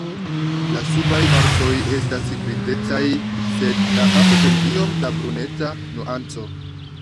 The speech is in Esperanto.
La subaj partoj estas grizecaj, sed la kapo kun iom da bruneca nuanco.